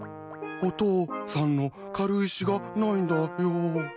お父さんの軽石がないんだよ。